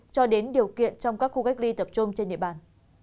cho đến điều kiện trong các khu cách ly tập trung trên địa bàn